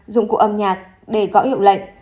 dụng cụ âm nhạc để gõ hiệu lệnh